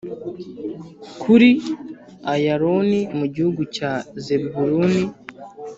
kuri Ayaloni mu gihugu cya Zebuluni